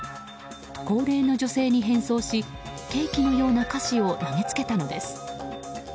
高齢の女性に変装しケーキのような菓子を投げつけたのです。